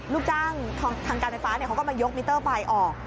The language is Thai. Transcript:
ลูกจ้างทางการไฟฟ้าเขาก็มายกมิเตอร์ไฟออก